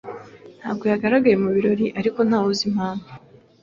Ntabwo yagaragaye mu birori, ariko ntawe uzi impamvu.